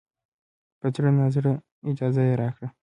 په زړه نازړه اجازه یې راکړه.